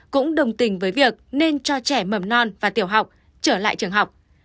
cũng đồng tình với việc nên cho trẻ mầm non và tiểu học trở lại trường học